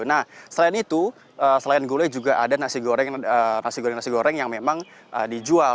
nah selain itu selain gulai juga ada nasi goreng nasi goreng nasi goreng yang memang dijual